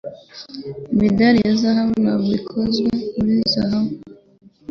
Imidari ya zahabu ntabwo ikozwe muri zahabu.